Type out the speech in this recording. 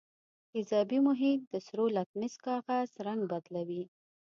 تیزابي محیط د سرو لتمس کاغذ رنګ بدلوي.